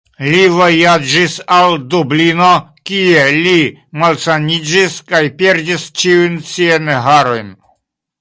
Li vojaĝis al Dublino, kie li malsaniĝis, kaj perdis ĉiujn siajn harojn.